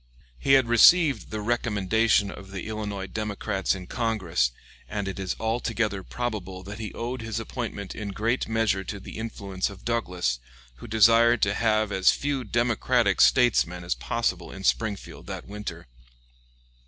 He had received the recommendation of the Illinois Democrats in Congress, and it is altogether probable that he owed his appointment in great measure to the influence of Douglas, who desired to have as few Democratic statesmen as possible in Springfield that winter.